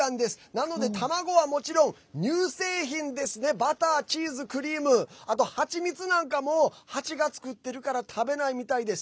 なので卵はもちろん、乳製品バター、チーズ、クリームあと蜂蜜なんかも蜂が作ってるから食べないみたいです。